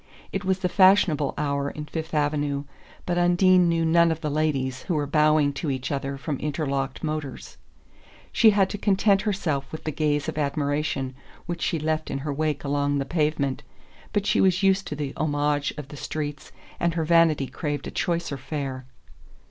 It was the fashionable hour in Fifth Avenue, but Undine knew none of the ladies who were bowing to each other from interlocked motors. She had to content herself with the gaze of admiration which she left in her wake along the pavement; but she was used to the homage of the streets and her vanity craved a choicer fare.